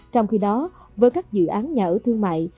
trong khi đó với các dự án nhà ở thương mại